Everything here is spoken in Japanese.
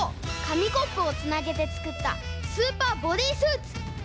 かみコップをつなげてつくったスーパーボディースーツ！